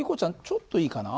ちょっといいかな？